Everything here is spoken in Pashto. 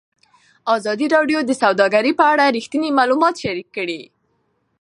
ازادي راډیو د سوداګري په اړه رښتیني معلومات شریک کړي.